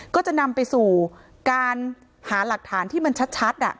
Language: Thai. ก็จะนำไปสู่การหาหลักฐานที่มันชัด